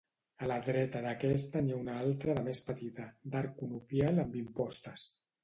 A la dreta d’aquesta n’hi ha una altra de més petita, d’arc conopial amb impostes.